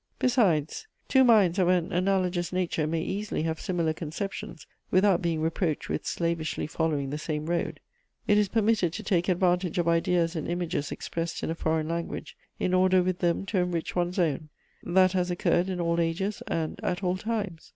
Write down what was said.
Besides, two minds of an analogous nature may easily have similar conceptions without being reproached with slavishly following the same road. It is permitted to take advantage of ideas and images expressed in a foreign language, in order with them to enrich one's own: that has occurred in all ages and at all times.